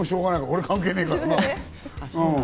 俺、関係ねえからな。